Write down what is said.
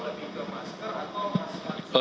lebih ke masker atau masker